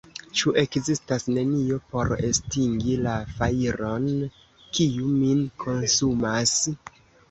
Ĉu ekzistas nenio por estingi la fajron, kiu min konsumas?